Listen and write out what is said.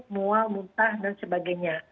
muam muntah dan sebagainya